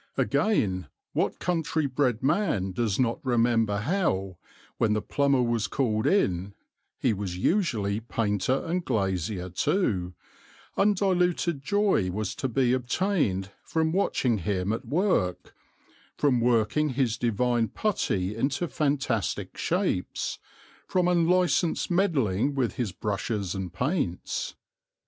Again, what country bred man does not remember how, when the plumber was called in (he was usually painter and glazier too), undiluted joy was to be obtained from watching him at work, from working his divine putty into fantastic shapes, from unlicensed meddling with his brushes and paints?